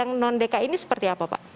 yang non dki ini seperti apa pak